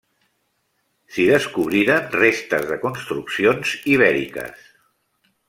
S'hi descobriren restes de construccions ibèriques.